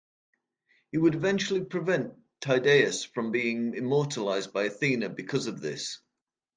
He would eventually prevent Tydeus from being immortalized by Athena because of this.